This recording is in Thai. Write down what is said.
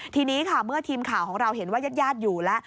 ทีนี้ค่ะเมื่อทีมข่าวของเราเห็นว่ายาดอยู่แล้ว